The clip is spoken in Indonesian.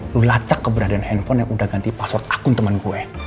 lo lacak keberadaan handphone yang udah ganti password akun temen gue